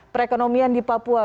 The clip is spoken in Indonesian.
perekonomian di papua